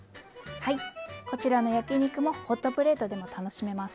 こちらの焼き肉もホットプレートでも楽しめます。